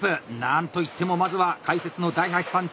何といってもまずは解説の大八さん